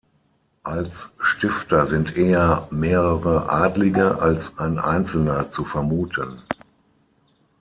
Als Stifter sind eher mehrere Adlige als ein Einzelner zu vermuten.